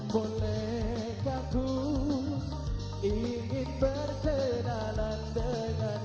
bolehkah ku ingin berkenalan denganmu